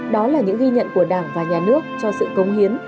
đó là những ghi nhận của đảng và nhà nước cho sự công hiến